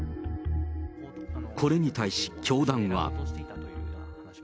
これに対し教団は。